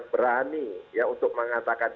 berani untuk mengatakan